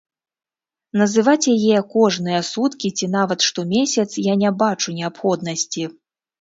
Называць яе кожныя суткі ці нават штомесяц я не бачу неабходнасці.